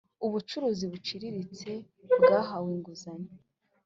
Ubucuruzi buciriritse bwahawe inguzanyo